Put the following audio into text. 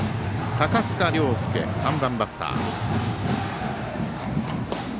高塚涼丞３番、バッター。